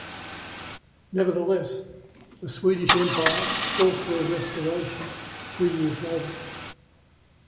Nevertheless, the Swedish Empire forced their restoration three years later.